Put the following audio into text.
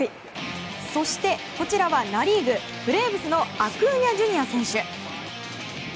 そして、こちらはナ・リーグブレーブスのアクーニャＪｒ．選手。